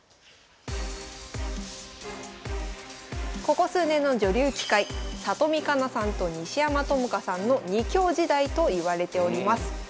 ここ数年の女流棋界里見香奈さんと西山朋佳さんの２強時代といわれております。